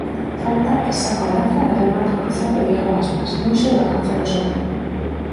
Falta que saca Olaza e remata cruzado Iago Aspas, lonxe do alcance de Soriano.